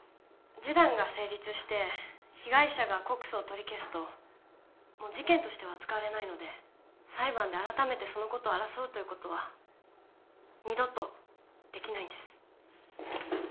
示談が成立して被害者が告訴を取り消すともう事件としては扱われないので裁判で改めてそのことを争うということは二度とできないんです